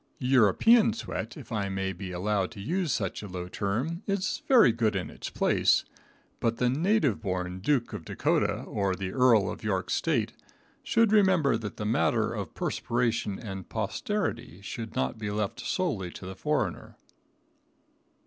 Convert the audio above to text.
European sweat, if I may be allowed to use such a low term, is very good in its place, but the native born Duke of Dakota, or the Earl of York State should remember that the matter of perspiration and posterity should not be left solely to the foreigner.